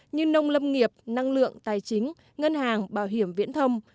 như nông lâm nghiệp năng lượng tài chính ngân hàng bảo hiểm viễn thông